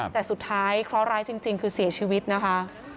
แต่สุดท้ายเคราะหร้ายจริงคือเสียชีวิตนะคะ